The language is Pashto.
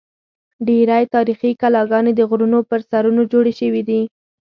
ډېری تاریخي کلاګانې د غرونو پر سرونو جوړې شوې دي.